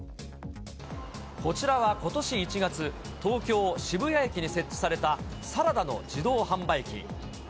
こちらはことし１月、東京・渋谷駅に設置されたサラダの自動販売機。